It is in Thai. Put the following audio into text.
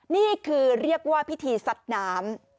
นี่คือเรียกว่าพิธีซัดน้ำ